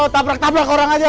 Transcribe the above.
tabrak tabrak orang saja